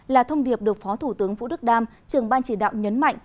là thông điệp được phó thủ tướng vũ đức đam trưởng ban chỉ đạo nhấn mạnh